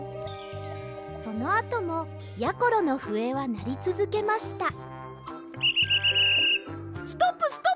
そのあともやころのふえはなりつづけましたピピピピピッ！